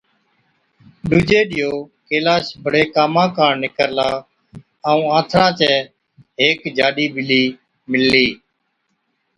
ڏُوجي ڏِيئو ڪيلاش بڙي ڪاما ڪاڻ نِڪرلا ائُون آنٿڻان چَي هيڪ جاڏِي ٻلِي مِللِي۔